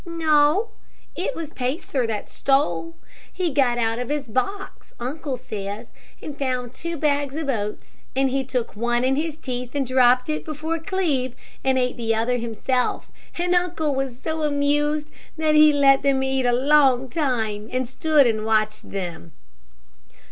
"No, it was Pacer that stole. He got out of his box, uncle says, and found two bags of oats, and he took one in his teeth and dropped it before Cleve, and ate the other himself, and uncle was so amused that he let them eat a long time, and stood and watched them."